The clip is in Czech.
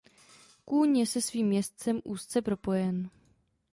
Kůň je se svým jezdcem úzce propojen.